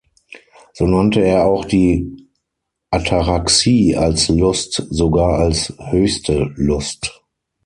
So nannte er auch die Ataraxie als Lust, sogar als höchste Lust.